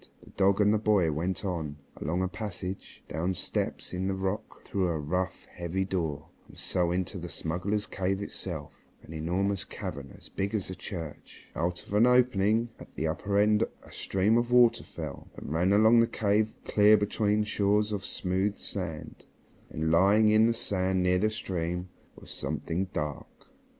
The dog and the boy went on, along a passage, down steps cut in the rock, through a rough, heavy door, and so into the smugglers' cave itself, an enormous cavern as big as a church. Out of an opening at the upper end a stream of water fell, and ran along the cave clear between shores of smooth sand. And, lying on the sand near the stream, was something dark.